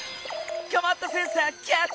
こまったセンサーキャッチ！